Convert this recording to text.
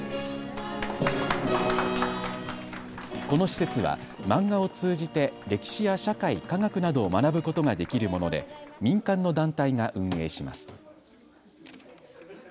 この施設は漫画を通じて歴史や社会、科学などを学ぶことができるもので民間の団体が運営します。